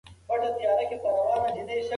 ټولنيز ارزښتونه زده کيږي.